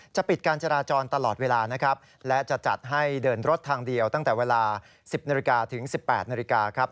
ปิดการจราจรตลอดเวลานะครับและจะจัดให้เดินรถทางเดียวตั้งแต่เวลา๑๐นาฬิกาถึง๑๘นาฬิกาครับ